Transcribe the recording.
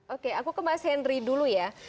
oke aku ke mas henry dulu ya